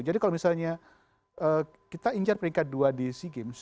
jadi kalau misalnya kita injak peringkat dua di sea games